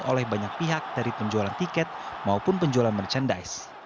oleh banyak pihak dari penjualan tiket maupun penjualan merchandise